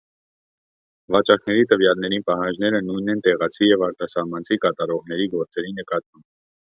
Վաճառքների տվյալներին պահանջները նույնն են տեղացի և արտասահմանցի կատարողների գործերի նկատմամբ։